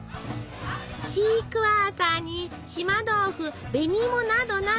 シークワーサーに島豆腐紅芋などなど。